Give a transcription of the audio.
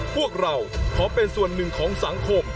พวกเราขอเป็นส่วนหนึ่งของสังคม